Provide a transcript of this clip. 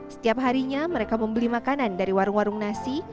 setiap harinya mereka membeli makanan dari warung warung nasi